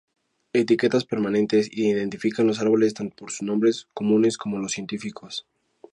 Etiquetas permanentes identifican los árboles tanto por sus nombres comunes como los científicos.